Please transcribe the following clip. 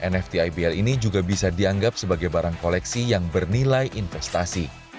nft ibl ini juga bisa dianggap sebagai barang koleksi yang bernilai investasi